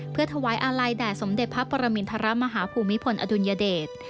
เพื่อถวายอาลัยแด่สมเด็จพระปรมินทรมาฮภูมิพลอดุลยเดช